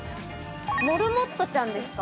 モルモットちゃんですか？